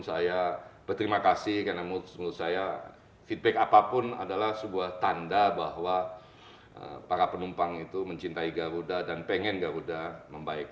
saya berterima kasih karena menurut saya feedback apapun adalah sebuah tanda bahwa para penumpang itu mencintai garuda dan pengen garuda membaik